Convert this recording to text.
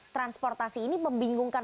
transportasi ini membingungkan